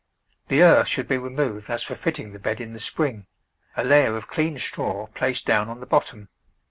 The earth should be removed as for fitting the bed in the spring; a layer of clean straw placed down on the bottom.